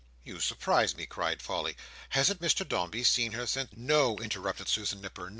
"You surprise me!" cried Polly. "Hasn't Mr Dombey seen her since—" "No," interrupted Susan Nipper.